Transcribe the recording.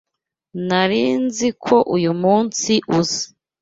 Nari nzi ko uyu munsi uza.